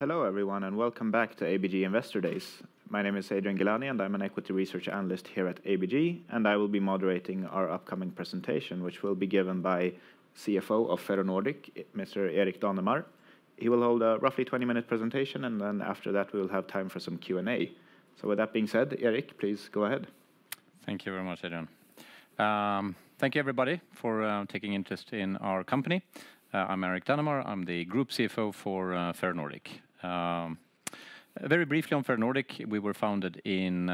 Hello everyone, and welcome back to ABG Investor Days. My name is Adrian Gilani, and I'm an Equity Research Analyst here at ABG, and I will be moderating our upcoming presentation, which will be given by CFO of Ferronordic, Mr. Erik Danemar. He will hold a roughly 20-minute presentation, and then after that, we'll have time for some Q&A. So with that being said, Erik, please go ahead. Thank you very much, Adrian. Thank you, everybody, for taking interest in our company. I'm Erik Danemar. I'm the group CFO for Ferronordic. Very briefly on Ferronordic, we were founded in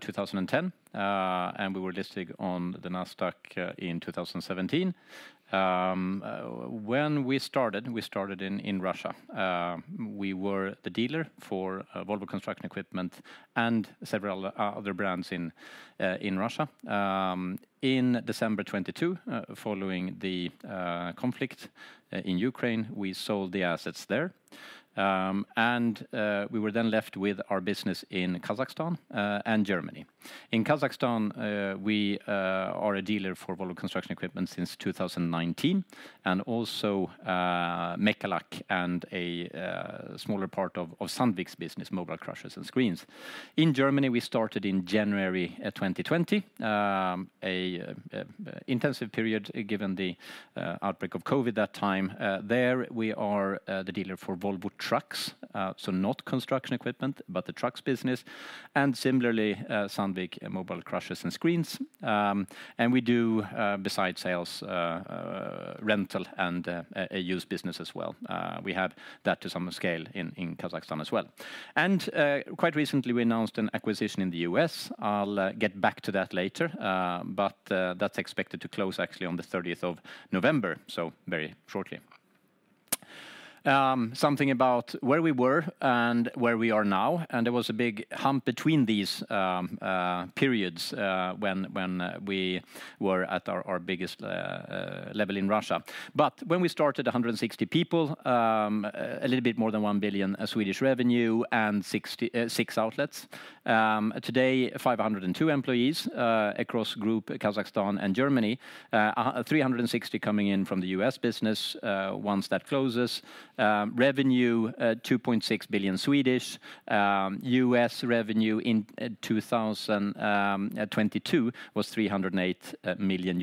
2010, and we were listed on the Nasdaq in 2017. When we started in Russia. We were the dealer for Volvo Construction Equipment and several other brands in Russia. In December 2022, following the conflict in Ukraine, we sold the assets there, and we were then left with our business in Kazakhstan and Germany. In Kazakhstan, we are a dealer for Volvo Construction Equipment since 2019, and also Mecalac and a smaller part of Sandvik's business, mobile crushers and screens. In Germany, we started in January 2020, intensive period, given the outbreak of COVID that time. There, we are the dealer for Volvo Trucks, so not construction equipment, but the trucks business, and similarly Sandvik mobile crushers and screens. We do, besides sales, rental and a used business as well. We have that to some scale in Kazakhstan as well. Quite recently, we announced an acquisition in the U.S. I'll get back to that later, but that's expected to close actually on the 30th of November, so very shortly. Something about where we were and where we are now, and there was a big hump between these periods, when we were at our biggest level in Russia. But when we started, 160 people, a little bit more than 1 billion revenue and 66 outlets. Today, 502 employees across group, Kazakhstan and Germany, 360 coming in from the U.S. business once that closes. Revenue, SEK 2.6 billion. U.S. revenue in 2022 was $308 million.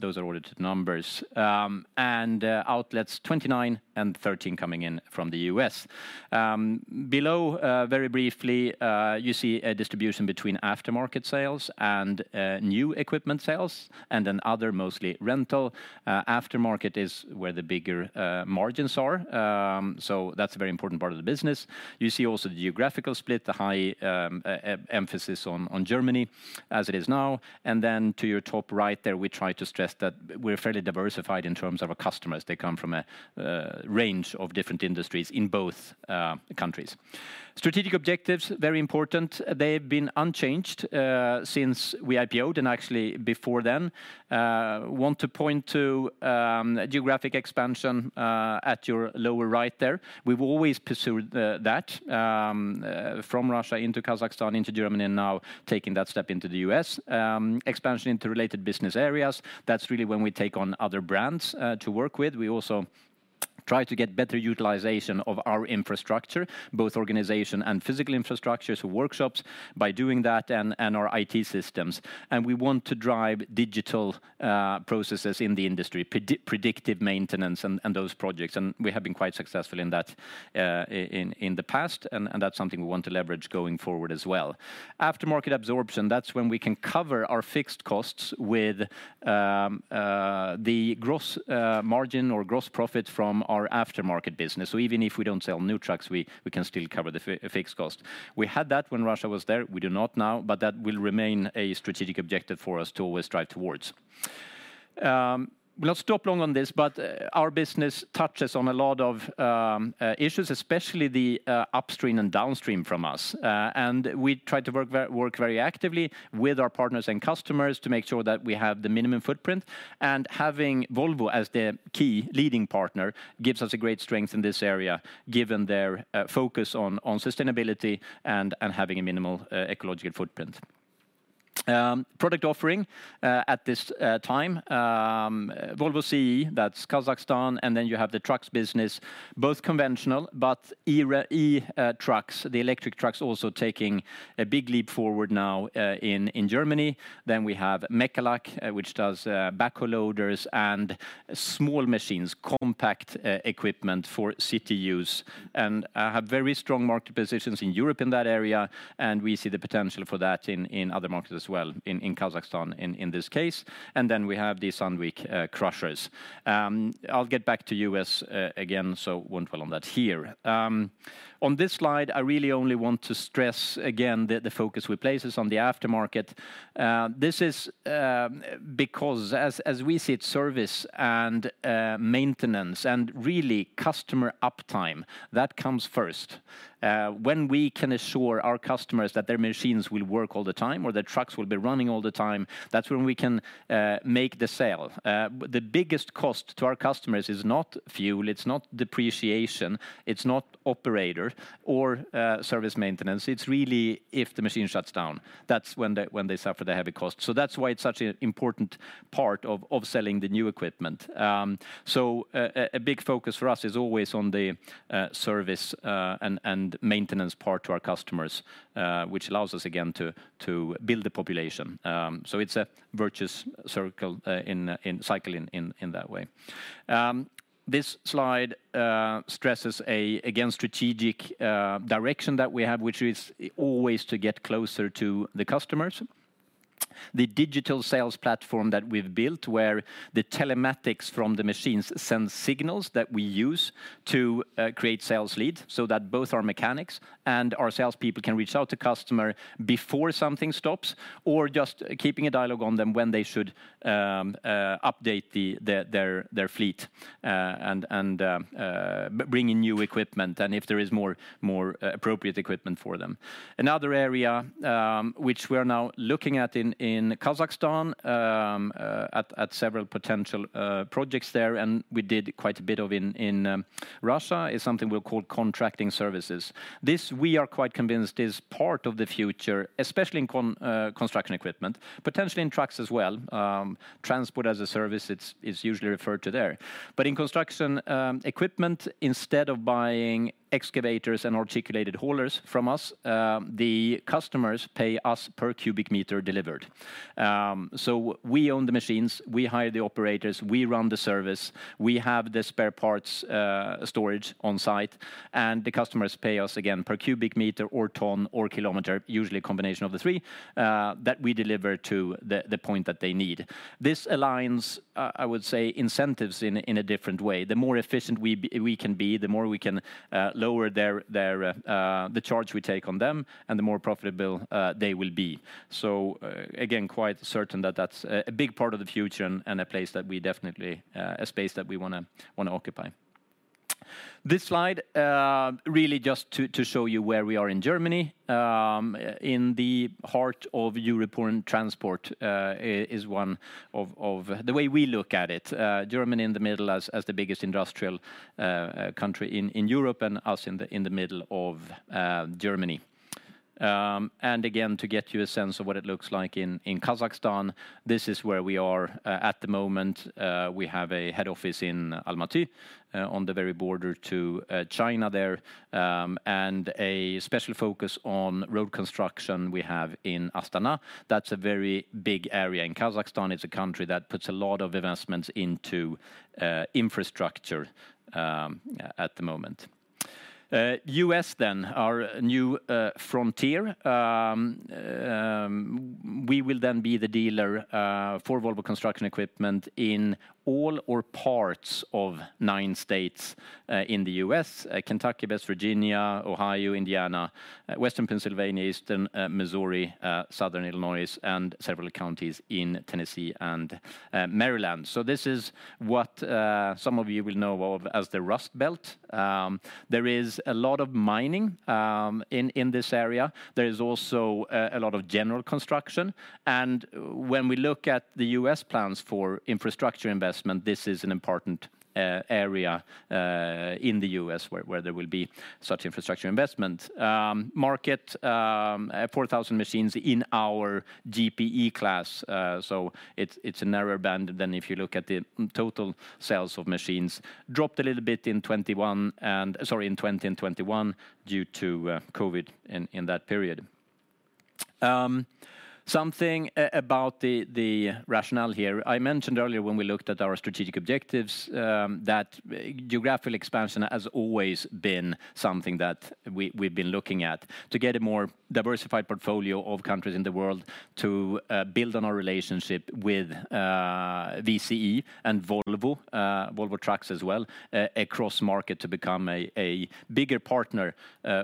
Those are audited numbers. And outlets, 29, and 13 coming in from the U.S.. Below, very briefly, you see a distribution between aftermarket sales and new equipment sales, and then other, mostly rental. Aftermarket is where the bigger margins are. So that's a very important part of the business. You see also the geographical split, the high emphasis on Germany, as it is now. And then to your top right there, we try to stress that we're fairly diversified in terms of our customers. They come from a range of different industries in both countries. Strategic objectives, very important. They've been unchanged since we IPO'd, and actually before then. Want to point to geographic expansion at your lower right there. We've always pursued that from Russia into Kazakhstan, into Germany, and now taking that step into the U.S. Expansion into related business areas, that's really when we take on other brands to work with. We also try to get better utilization of our infrastructure, both organization and physical infrastructure, so workshops, by doing that and our IT systems. We want to drive digital processes in the industry, predictive maintenance and those projects, and we have been quite successful in that in the past, and that's something we want to leverage going forward as well. Aftermarket absorption, that's when we can cover our fixed costs with the gross margin or gross profit from our aftermarket business. So even if we don't sell new trucks, we can still cover the fixed cost. We had that when Russia was there. We do not now, but that will remain a strategic objective for us to always strive towards. We'll not stop long on this, but our business touches on a lot of issues, especially the upstream and downstream from us. And we try to work very, work very actively with our partners and customers to make sure that we have the minimum footprint. And having Volvo as the key leading partner gives us a great strength in this area, given their focus on sustainability and having a minimal ecological footprint. Product offering, at this time, Volvo CE, that's Kazakhstan, and then you have the trucks business, both conventional, but Renault Trucks, the electric trucks also taking a big leap forward now, in Germany. Then we have Mecalac, which does backhoe loaders and small machines, compact equipment for city use, and have very strong market positions in Europe in that area, and we see the potential for that in other markets as well, in Kazakhstan, in this case. And then we have the Sandvik crushers. I'll get back to U.S. again, so won't dwell on that here. On this slide, I really only want to stress again the focus we place is on the aftermarket. This is because as we see it, service and maintenance and really customer uptime, that comes first. When we can assure our customers that their machines will work all the time or their trucks will be running all the time, that's when we can make the sale. The biggest cost to our customers is not fuel, it's not depreciation, it's not operator or service maintenance. It's really if the machine shuts down, that's when they suffer the heavy cost. So that's why it's such an important part of selling the new equipment. So a big focus for us is always on the service and maintenance part to our customers, which allows us again to build the population. So it's a virtuous circle in cycling in that way. This slide stresses again strategic direction that we have, which is always to get closer to the customers. The digital sales platform that we've built, where the telematics from the machines send signals that we use to create sales leads, so that both our mechanics and our salespeople can reach out to customer before something stops, or just keeping a dialogue on them when they should update their fleet and bring in new equipment, and if there is more appropriate equipment for them. Another area which we are now looking at in Kazakhstan at several potential projects there, and we did quite a bit of in Russia, is something we call contracting services. This, we are quite convinced, is part of the future, especially in construction equipment, potentially in trucks as well. Transport as a service, it is usually referred to there. But in construction equipment, instead of buying excavators and articulated haulers from us, the customers pay us per cubic meter delivered. So we own the machines, we hire the operators, we run the service, we have the spare parts storage on site, and the customers pay us, again, per cubic meter, or ton, or kilometer, usually a combination of the three that we deliver to the point that they need. This aligns, I would say, incentives in a different way. The more efficient we can be, the more we can lower the charge we take on them, and the more profitable they will be. So, again, quite certain that that's a big part of the future and a space that we wanna occupy. This slide, really just to show you where we are in Germany. In the heart of Europe and transport is one of the way we look at it, Germany in the middle as the biggest industrial country in Europe, and us in the middle of Germany. And again, to get you a sense of what it looks like in Kazakhstan, this is where we are at the moment. We have a head office in Almaty on the very border to China there, and a special focus on road construction we have in Astana. That's a very big area in Kazakhstan. It's a country that puts a lot of investments into infrastructure at the moment. U.S. then, our new frontier. We will then be the dealer for Volvo Construction Equipment in all or parts of nine states in the U.S.: Kentucky, West Virginia, Ohio, Indiana, Western Pennsylvania, Eastern Missouri, Southern Illinois, and several counties in Tennessee and Maryland. So this is what some of you will know of as the Rust Belt. There is a lot of mining in this area. There is also a lot of general construction, and when we look at the U.S. plans for infrastructure investment, this is an important area in the U.S., where there will be such infrastructure investment. Market at 4,000 machines in our GPE class, so it's a narrower band than if you look at the total sales of machines. Dropped a little bit in 2021, and... Sorry, in 2020 and 2021, due to COVID in that period. Something about the rationale here. I mentioned earlier when we looked at our strategic objectives, that geographical expansion has always been something that we've been looking at. To get a more diversified portfolio of countries in the world, to build on our relationship with VCE and Volvo, Volvo Trucks as well, across market, to become a bigger partner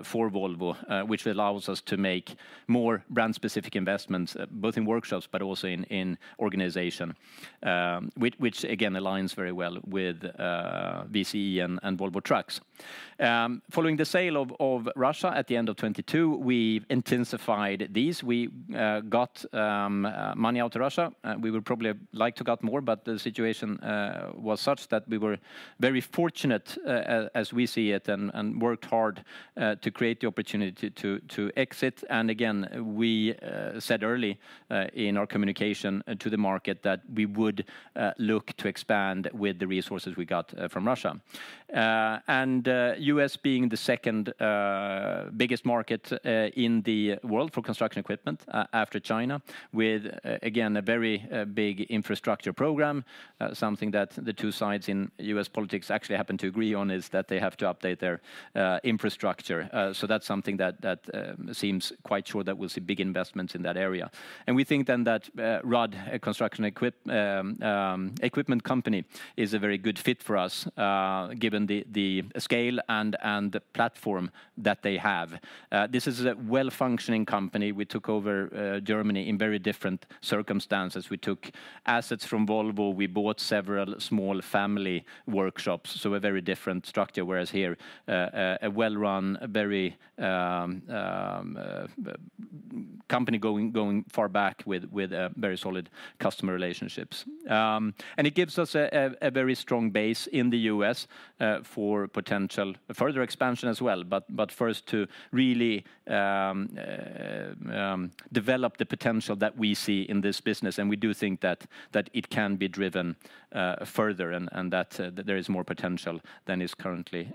for Volvo, which allows us to make more brand-specific investments, both in workshops but also in organization, which again aligns very well with VCE and Volvo Trucks. Following the sale of Russia at the end of '2022, we intensified these. We got money out of Russia. We would probably like to got more, but the situation was such that we were very fortunate, as we see it, and worked hard to create the opportunity to exit. And again, we said early in our communication to the market that we would look to expand with the resources we got from Russia. And U.S. being the second biggest market in the world for construction equipment, after China, with, again, a very big infrastructure program, something that the two sides in U.S. politics actually happen to agree on, is that they have to update their infrastructure. So that's something that seems quite sure that we'll see big investments in that area. We think then that Rudd Equipment Company is a very good fit for us, given the scale and the platform that they have. This is a well-functioning company. We took over Germany in very different circumstances. We took assets from Volvo. We bought several small family workshops, so a very different structure, whereas here a well-run, very company going far back with very solid customer relationships. And it gives us a very strong base in the U.S. for potential further expansion as well. But first, to really develop the potential that we see in this business, and we do think that it can be driven further and that there is more potential than is currently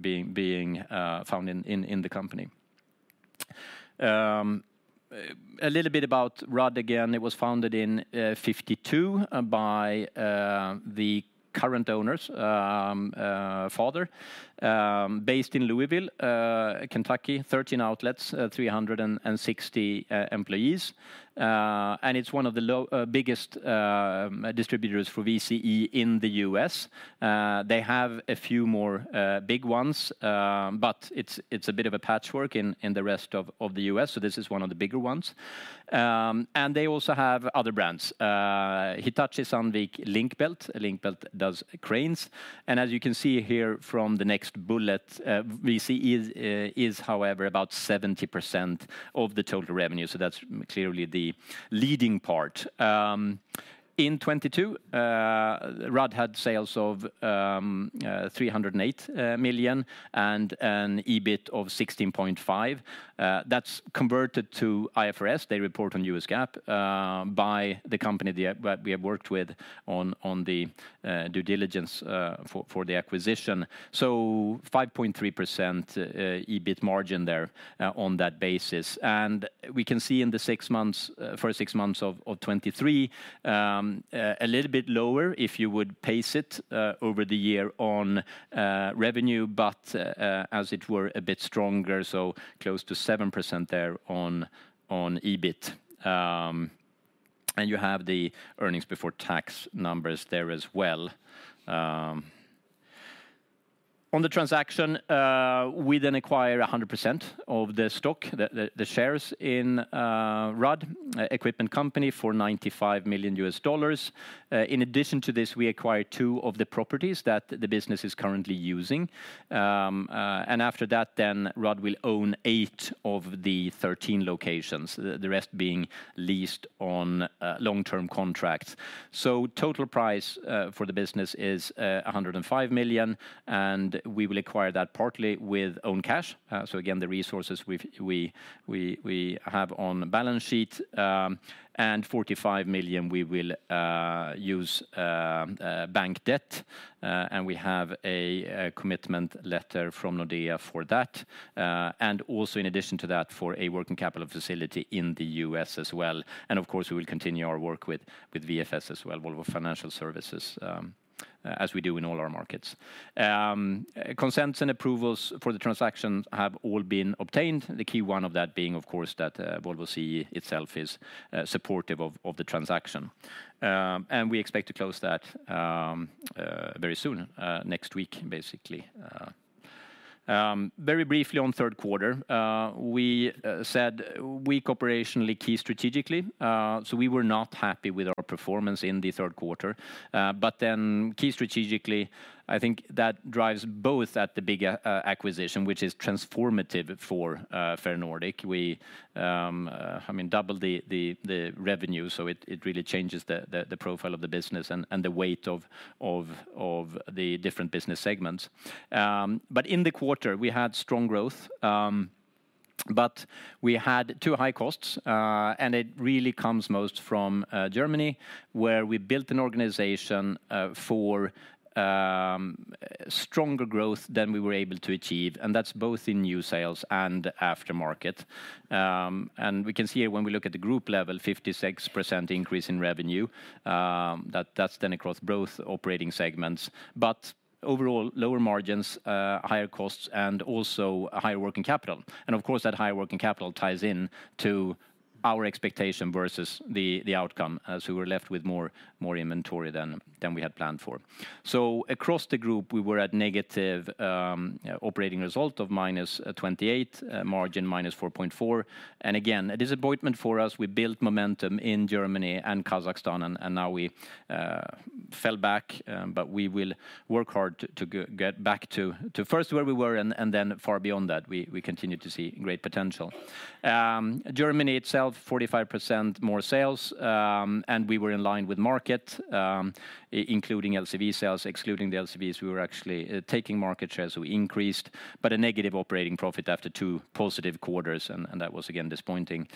being found in the company. A little bit about Rudd again, it was founded in 1952 by the current owners' father, based in Louisville, Kentucky, 13 outlets, 360 employees. And it's one of the biggest distributors for VCE in the U.S. They have a few more big ones, but it's a bit of a patchwork in the rest of the U.S., so this is one of the bigger ones. And they also have other brands. Hitachi is on the Link-Belt. A Link-Belt does cranes, and as you can see here from the next bullet, VCE is however about 70% of the total revenue, so that's clearly the leading part. In 2022, Rudd had sales of $308 million, and an EBIT of $16.5 million. That's converted to IFRS. They report on U.S. GAAP, by the company we have worked with on the due diligence for the acquisition. So 5.3% EBIT margin there, on that basis. We can see in the first six months of 2023 a little bit lower, if you would pace it over the year on revenue, but as it were, a bit stronger, so close to 7% there on EBIT. You have the earnings before tax numbers there as well. On the transaction, we then acquire 100% of the stock, the shares in Rudd Equipment Company for $95 million. In addition to this, we acquire two of the properties that the business is currently using. After that, Rudd will own eight of the 13 locations, the rest being leased on long-term contracts. So total price for the business is $105 million, and we will acquire that partly with own cash. So again, the resources we have on the balance sheet, and $45 million, we will use bank debt, and we have a commitment letter from Nordea for that. And also in addition to that, for a working capital facility in the U.S. as well, and of course, we will continue our work with VFS as well, Volvo Financial Services, as we do in all our markets. Consents and approvals for the transactions have all been obtained, the key one of that being, of course, that Volvo CE itself is supportive of the transaction. And we expect to close that very soon, next week, basically. Very briefly on third quarter, we said weak operationally, key strategically, so we were not happy with our performance in the third quarter. But then key strategically, I think the big acquisition, which is transformative for Ferronordic. I mean, double the revenue, so it really changes the profile of the business and the weight of the different business segments. But in the quarter, we had strong growth, but we had too high costs, and it really comes most from Germany, where we built an organization for stronger growth than we were able to achieve, and that's both in new sales and aftermarket. We can see it when we look at the group level, 56% increase in revenue, that that's then across both operating segments. But overall, lower margins, higher costs, and also a higher working capital. And of course, that higher working capital ties in to our expectation versus the outcome, as we were left with more inventory than we had planned for. So across the group, we were at negative operating result of -28, margin -4.4%. And again, a disappointment for us. We built momentum in Germany and Kazakhstan, and now we fell back, but we will work hard to get back to first where we were, and then far beyond that, we continue to see great potential. Germany itself, 45% more sales, and we were in line with market, including LCV sales. Excluding the LCVs, we were actually taking market share, so we increased, but a negative operating profit after two positive quarters, and that was, again, disappointing.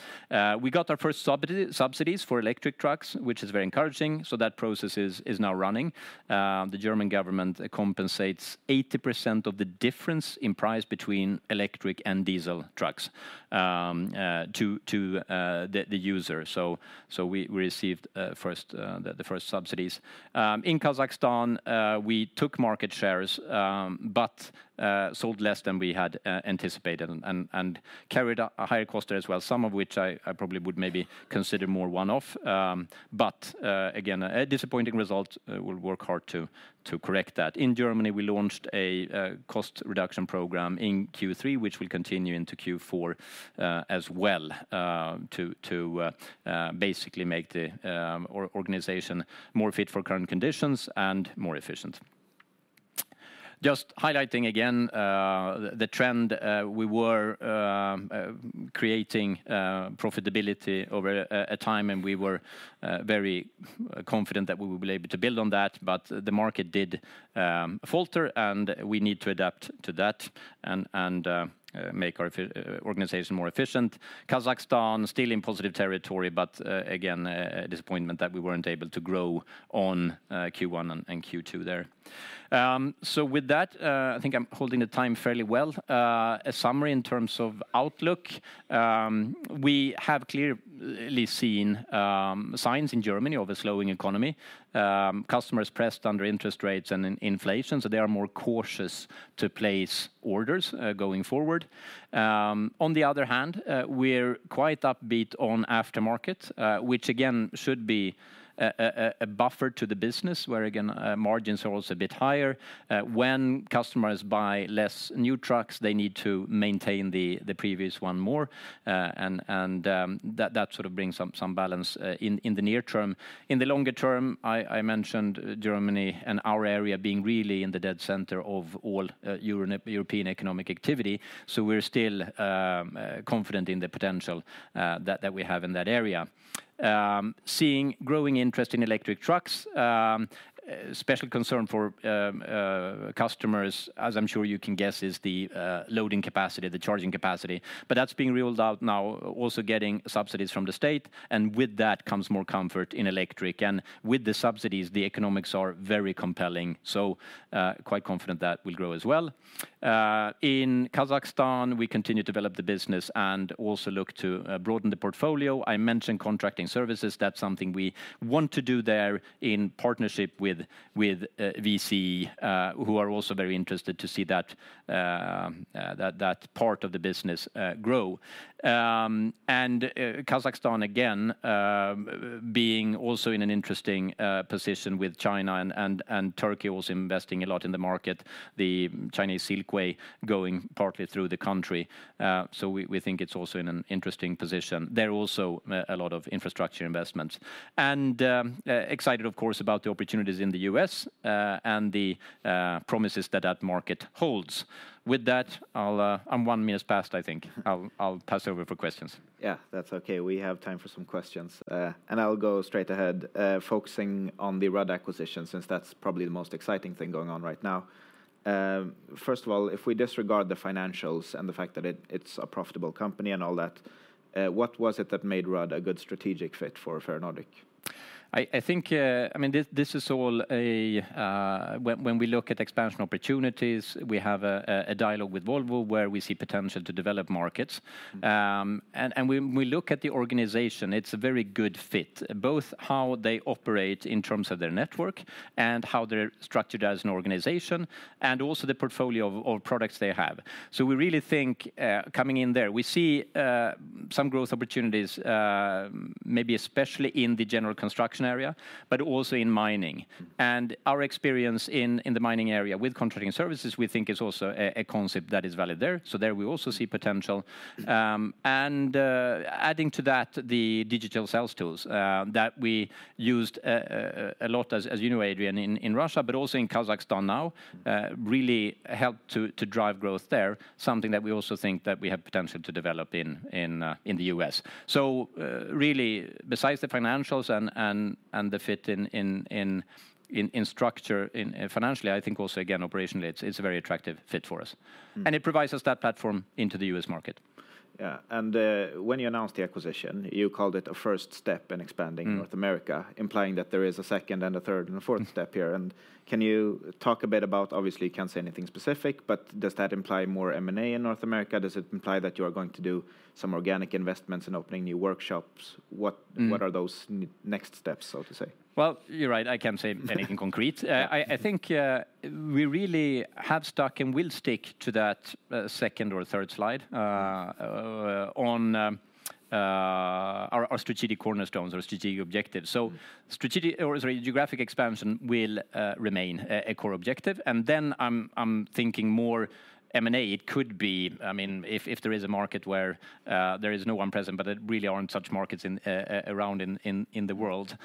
We got our first subsidies for electric trucks, which is very encouraging, so that process is now running. The German government compensates 80% of the difference in price between electric and diesel trucks to the user. So we received the first subsidies. In Kazakhstan, we took market shares, but sold less than we had anticipated and carried a higher cost there as well, some of which I probably would maybe consider more one-off. But again, a disappointing result, we'll work hard to correct that. In Germany, we launched a cost reduction program in Q3, which will continue into Q4, as well, to basically make the organization more fit for current conditions and more efficient. Just highlighting again, the trend, we were creating profitability over a time, and we were very confident that we would be able to build on that. But the market did falter, and we need to adapt to that and make our organization more efficient. Kazakhstan, still in positive territory, but again, a disappointment that we weren't able to grow on Q1 and Q2 there. So with that, I think I'm holding the time fairly well. A summary in terms of outlook, we have clearly seen signs in Germany of a slowing economy. Customers pressed under interest rates and in inflation, so they are more cautious to place orders going forward. On the other hand, we're quite upbeat on aftermarket, which again should be a buffer to the business, where again margins are also a bit higher. When customers buy less new trucks, they need to maintain the previous one more, and that sort of brings some balance in the near term. In the longer term, I mentioned Germany and our area being really in the dead center of all European economic activity, so we're still confident in the potential that we have in that area. Seeing growing interest in electric trucks, special concern for customers, as I'm sure you can guess, is the loading capacity, the charging capacity. But that's being reeled out now, also getting subsidies from the state, and with that comes more comfort in electric. And with the subsidies, the economics are very compelling, so quite confident that will grow as well. In Kazakhstan, we continue to develop the business and also look to broaden the portfolio. I mentioned contracting services. That's something we want to do there in partnership with VCE, who are also very interested to see that part of the business grow. Kazakhstan, again, being also in an interesting position with China and Turkey also investing a lot in the market, the Chinese Silk Way going partly through the country. So we think it's also in an interesting position. There are also a lot of infrastructure investments. And excited, of course, about the opportunities in the U.S., and the promises that that market holds. With that, I'll... I'm one minute past, I think. I'll pass over for questions. Yeah, that's okay. We have time for some questions. I'll go straight ahead, focusing on the Rudd acquisition, since that's probably the most exciting thing going on right now. First of all, if we disregard the financials and the fact that it, it's a profitable company and all that, what was it that made Rudd a good strategic fit for Ferronordic? I think, I mean, this is all a... When we look at expansion opportunities, we have a dialogue with Volvo, where we see potential to develop markets. And when we look at the organization, it's a very good fit, both how they operate in terms of their network and how they're structured as an organization, and also the portfolio of products they have. So we really think, coming in there, we see some growth opportunities, maybe especially in the general construction area, but also in mining. Mm-hmm. And our experience in the mining area with contracting services, we think is also a concept that is valid there, so there we also see potential. Adding to that, the digital sales tools that we used a lot, as you know, Adrian, in Russia, but also in Kazakhstan now, really helped to drive growth there, something that we also think that we have potential to develop in the U.S. So, really, besides the financials and the fit in structure, financially, I think also, again, operationally, it's a very attractive fit for us. Mm-hmm. It provides us that platform into the U.S. market. Yeah. And, when you announced the acquisition, you called it a first step in expanding- Mm... North America, implying that there is a second and a third and a fourth step here. Mm. Can you talk a bit about, obviously, you can't say anything specific, but does that imply more M&A in North America? Does it imply that you are going to do some organic investments in opening new workshops? What- Mm... what are those next steps, so to say? Well, you're right, I can't say anything concrete. Yeah. I think we really have stuck and will stick to that second or third slide on our strategic cornerstones, our strategic objectives. So strategic... Or sorry, geographic expansion will remain a core objective. Then I'm thinking more M&A. It could be, I mean, if there is a market where there is no one present, but there really aren't such markets in the world.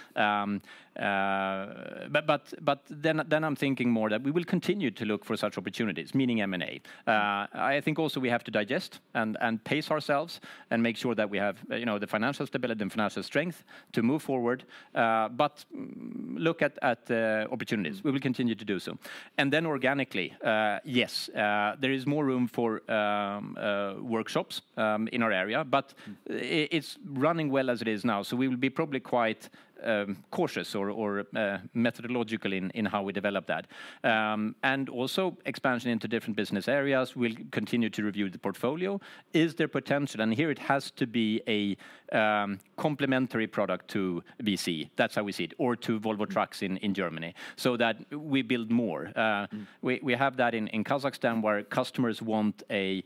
But then I'm thinking more that we will continue to look for such opportunities, meaning M&A. I think also we have to digest and pace ourselves and make sure that we have, you know, the financial stability and financial strength to move forward, but look at opportunities. Mm. We will continue to do so. And then organically, yes, there is more room for workshops in our area, but it's running well as it is now, so we will be probably quite cautious or methodological in how we develop that. And also expansion into different business areas. We'll continue to review the portfolio. Is there potential? And here it has to be a complementary product to VCE. That's how we see it, or to Volvo Trucks in Germany, so that we build more. Mm... we have that in Kazakhstan, where customers want a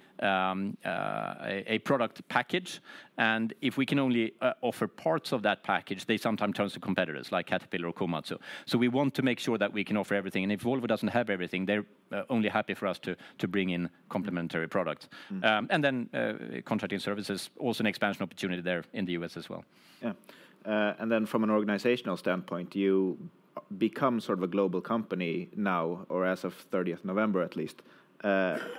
product package, and if we can only offer parts of that package, they sometimes turn to competitors, like Caterpillar or Komatsu. So we want to make sure that we can offer everything, and if Volvo doesn't have everything, they're only happy for us to bring in complementary products. Mm. And then, contracting services, also an expansion opportunity there in the U.S. as well. Yeah. Then from an organizational standpoint, you become sort of a global company now, or as of 30th November, at least.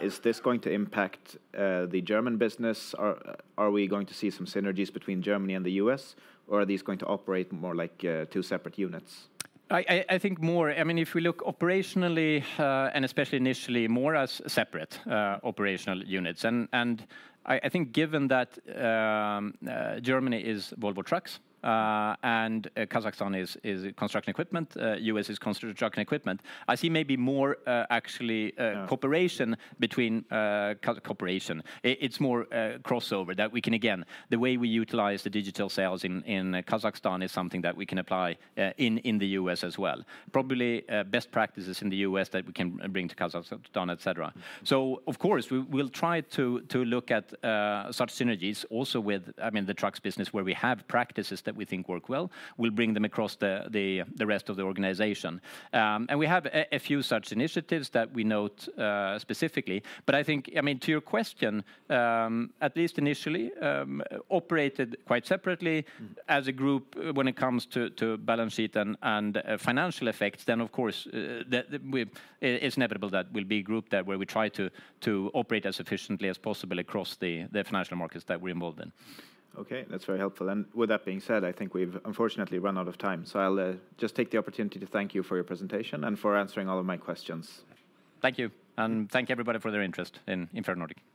Is this going to impact the German business, or are we going to see some synergies between Germany and the U.S., or are these going to operate more like two separate units? I think more... I mean, if we look operationally, and especially initially, more as separate operational units. And I think given that, Germany is Volvo Trucks, and Kazakhstan is Construction Equipment, U.S. is Construction Truck and Equipment. I see maybe more, actually, Yeah... cooperation between cooperation. It's more crossover, that we can, again, the way we utilize the digital sales in Kazakhstan is something that we can apply in the U.S. as well. Probably best practices in the U.S. that we can bring to Kazakhstan, et cetera. So of course, we'll try to look at such synergies also with, I mean, the trucks business, where we have practices that we think work well. We'll bring them across the rest of the organization. And we have a few such initiatives that we note specifically. But I think, I mean, to your question, at least initially, operated quite separately- Mm... as a group when it comes to balance sheet and financial effects, then of course, it’s inevitable that we’ll be grouped there, where we try to operate as efficiently as possible across the financial markets that we’re involved in. Okay, that's very helpful. And with that being said, I think we've unfortunately run out of time, so I'll just take the opportunity to thank you for your presentation and for answering all of my questions. Thank you, and thank everybody for their interest in Ferronordic.